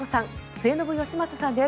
末延吉正さんです。